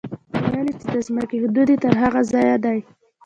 ويل يې چې د ځمکې حدود يې تر هماغه ځايه دي.